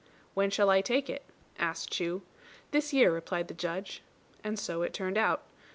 "When shall I take it?" asked Chu. "This year," replied the Judge. And so it turned out.